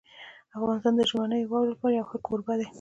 افغانستان د ژمنیو واورو لپاره یو ښه کوربه دی.